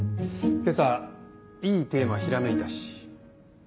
今朝いいテーマひらめいたし。